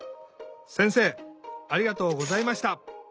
せんせいありがとうございました。